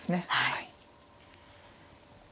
はい。